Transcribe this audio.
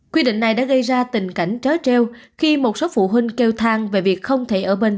quy định này đã gây ra tình cảnh trớ treo khi một số phụ huynh kêu thang về việc không thể ở bên